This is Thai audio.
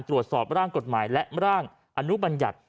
ตรวจสอบร่างกฎหมายและร่างอนุบัญญัติ